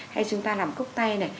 hay chúng ta làm cốc tay này